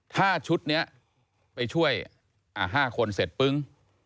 ถ้าชุดนี้ไปช่วย๕คนเสร็จปึ้ง